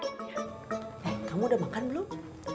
eh kamu udah makan belum